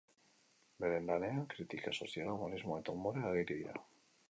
Beren lanean kritika soziala, humanismoa eta umorea ageri dira.